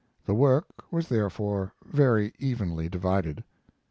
The work was therefore very evenly divided.